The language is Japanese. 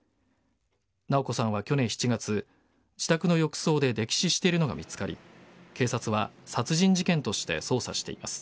直子さんは去年７月自宅の浴槽で溺死ているのが見つかり警察は殺人事件として捜査しています。